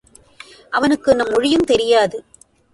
அவனுக்கு நம் மொழியும் தெரியாது.